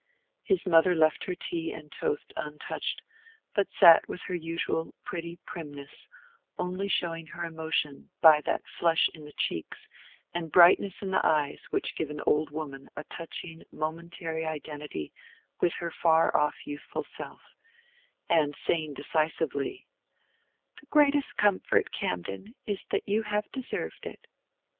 His mother left her tea and toast untouched, but sat with her usual pretty primness, only showing her emotion by that flush in the cheeks and brightness in the eyes which give an old woman a touching momentary identity with her far off youthful self, and saying decisively— "The greatest comfort, Camden, is that you have deserved it."